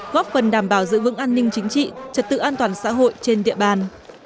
góp phần đảm bảo giữ vững an ninh chính trị trật tự an toàn xã hội trên địa bàn